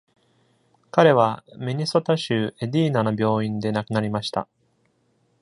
彼はミネソタ州エディーナの病院で亡くなりました。